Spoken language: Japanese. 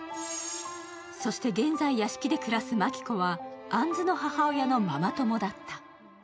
そして、現在、屋敷で暮らす真希子は杏子の母親のママ友だった。